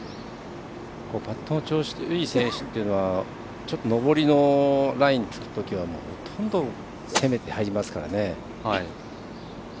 パットの調子のいい選手というのは上りのラインをつくときはほとんど攻めて入りますからね。